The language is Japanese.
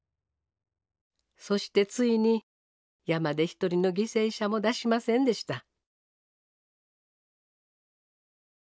そしてついに山で１人の犠牲者も出しませんでした。